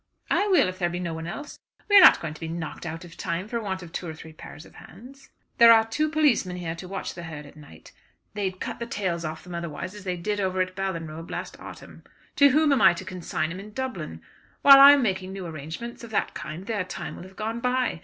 "I will if there be no one else. We are not going to be knocked out of time for want of two or three pairs of hands." "There are two policemen here to watch the herd at night. They'd cut the tails off them otherwise as they did over at Ballinrobe last autumn. To whom am I to consign 'em in Dublin? While I am making new arrangements of that kind their time will have gone by.